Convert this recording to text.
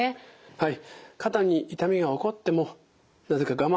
はい。